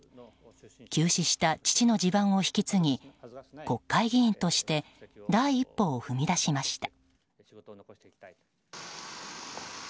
急死した父の地盤を引き継ぎ国会議員として第一歩を踏み出しました。